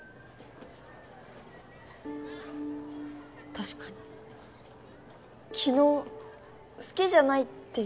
確かに昨日「好きじゃない」って言われて。